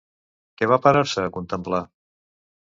Què va parar-se a contemplar?